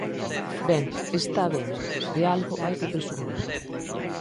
Ben, está ben, de algo hai que presumir.